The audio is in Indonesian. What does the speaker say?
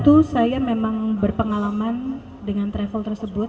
itu saya memang berpengalaman dengan travel tersebut